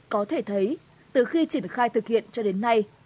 có thể thấy từ khi triển khai thực hiện cho đến nay